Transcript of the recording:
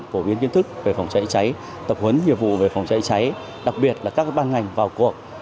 phổ biến kiến thức về phòng cháy cháy tập huấn nhiệm vụ về phòng cháy cháy đặc biệt là các ban ngành vào cuộc